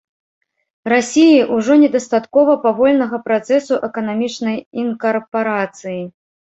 Расіі ўжо недастаткова павольнага працэсу эканамічнай інкарпарацыі.